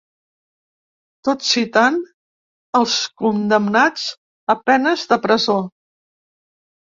Tot citant els condemnats a penes de presó.